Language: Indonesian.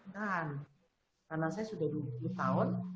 karena saya sudah dua puluh tahun